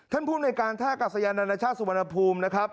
ท่านผู้ในการท่ากัดสัญญาณรัฐชาติสุวรรณภูมินะครับ